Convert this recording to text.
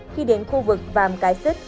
khi đến khu vực vàm cái sứt